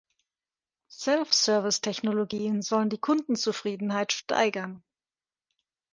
Self-Service-Technologien sollen die Kundenzufriedenheit steigern.